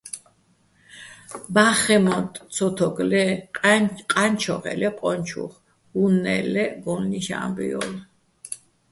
ბა́ხხეჼ მოტტ ცო თო́უგო̆ ლე ყაჲნჩოხე́ ლე ყო́ნუჩოხ, უ̂ნე ლე́ჸ გო́ლლიშ ა́მბუჲ ჲო́ლო̆.